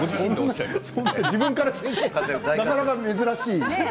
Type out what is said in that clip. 自分から言うのはなかなか珍しい。